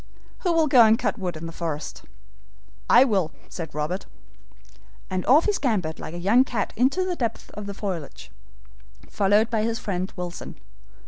Who will go and cut wood in the forest?" "I will," said Robert. And off he scampered like a young cat into the depths of the foliage, followed by his friend Wilson.